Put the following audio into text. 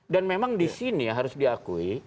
dan memang disini harus diakui